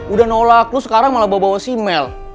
udah nolak lo sekarang malah bawa bawa si mel